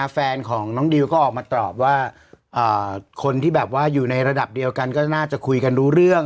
แฟนของน้องดิวก็ออกมาตอบว่าคนที่แบบว่าอยู่ในระดับเดียวกันก็น่าจะคุยกันรู้เรื่อง